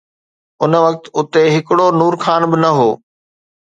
ان وقت اتي هڪڙو نور خان به نه هو.